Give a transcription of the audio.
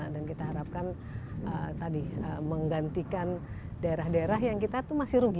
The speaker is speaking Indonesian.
dan kita harapkan tadi menggantikan daerah daerah yang kita itu masih rugi